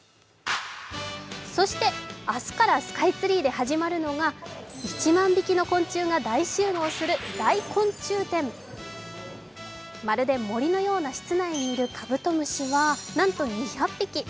そして明日からスカイツリーで始まるのが、１万匹の昆虫が大集合する大昆虫展まるで森のような室内にいるカブトムシはなんと２００匹。